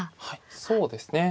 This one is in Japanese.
はいそうですね。